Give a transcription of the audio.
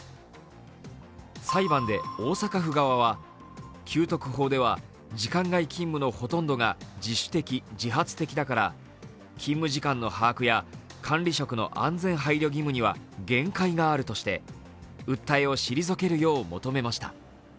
裁判で大阪府側は給特法では時間外勤務のほとんどが自主的・自発的だから勤務時間の把握や管理職の安全配慮義務には限界があるとして訴えを退けるよう求めました。